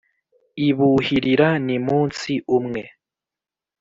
Ibuhirira n'imunsi umwe